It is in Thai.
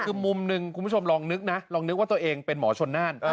คือมุมหนึ่งคุณผู้ชมลองนึกนะลองนึกว่าตัวเองเป็นหมอชนน่าน